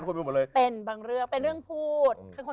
เป็นบางเรื่องเป็นเรื่องพูด